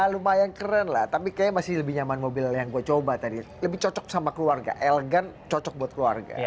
lumayan keren lah tapi kayaknya masih lebih nyaman mobil yang gue coba tadi lebih cocok sama keluarga elegan cocok buat keluarga